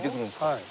はい。